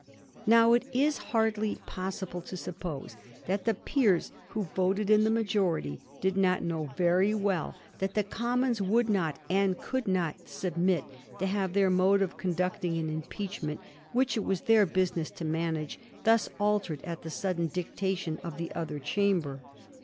Now it is hardly possible to suppose that the Peers who voted in the majority did not know very well that the Commons would not, and could not^ submit to have their mode of conducting an impeach ment which it was their business to manage, thoa altered at the sudden dictation of the other chamber.